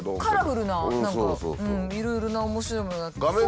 カラフルな何かいろいろな面白いものが。